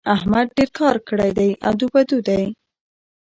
احمد ډېر کار کړی دی؛ ادو بدو دی.